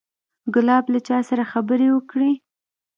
ګلاب له چا سره خبرې وکړې.